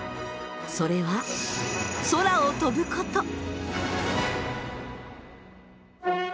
それは空を飛ぶこと。